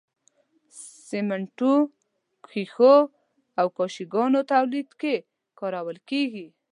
سمنټو، ښيښو او کاشي ګانو تولید کې کارول کیږي.